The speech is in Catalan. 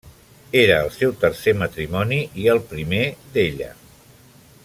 Era el seu tercer matrimoni, i el primer d'ella.